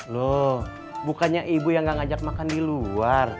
loh bukannya ibu yang gak ngajak makan di luar